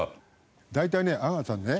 大体ね阿川さんね。